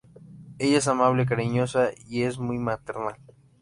Ella es amable, cariñosa, y es muy maternal.